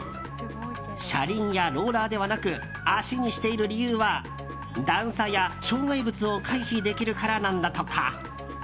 車輪やローラーではなく脚にしている理由は段差や障害物を回避できるからなんだとか。